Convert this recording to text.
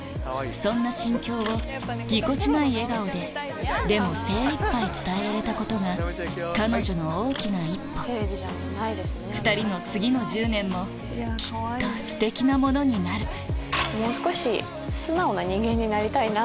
そんな心境をぎこちない笑顔ででも精いっぱい伝えられたことが彼女の大きな一歩２人の次の１０年もきっとステキなものになるもう少し素直な人間になりたいな。